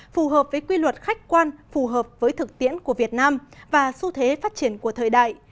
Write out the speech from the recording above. phù hợp với quy luật khách quan phù hợp với thực tiễn của việt nam và xu thế phát triển của thời đại